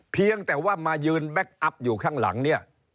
เพียงแต่ว่ามายืนแบ็คอัพอยู่ข้างหลังเนี่ย